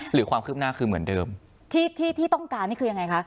หรือความคืบหน้าคือเหมือนเดิมที่ที่ต้องการนี่คือยังไงคะ